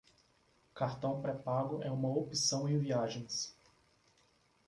Cartão pré-pago é uma opção em viagens